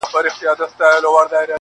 د افغانستان د فرهنګ -